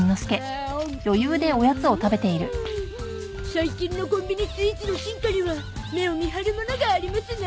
最近のコンビニスイーツの進化には目を見張るものがありますな！